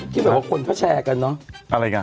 ที่แบบว่าคุณพ่อแชร์กันเนาะ